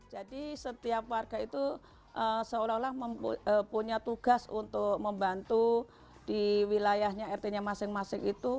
jadi setiap warga itu seolah olah mempunyai tugas untuk membantu di wilayahnya rt nya masing masing itu